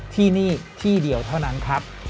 ที่นี่ที่เดียวเท่านั้นครับ